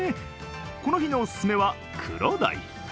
この日のオススメは、クロダイ。